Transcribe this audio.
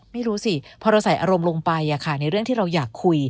ไม่รู้สิพอเราใส่อารมณ์ลงไปในเรื่องที่เราอยากคุย